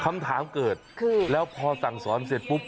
คำถามเกิดคือแล้วพอสั่งสอนเสร็จปุ๊บ